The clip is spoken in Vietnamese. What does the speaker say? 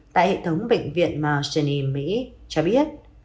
tại hệ thống bệnh viện marjanie mỹ cho biết